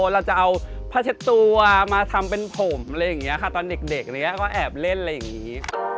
เราจะเอาผ้าเช็ดตัวมาทำเป็นผมอะไรอย่างนี้ค่ะตอนเด็กก็แอบเล่นอะไรอย่างนี้